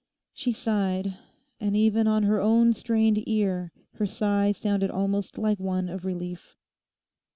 She sighed; and even on her own strained ear her sigh sounded almost like one of relief.